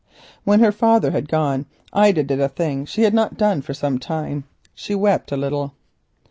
When her father had gone Ida did a thing she had not done for some time—she wept a little.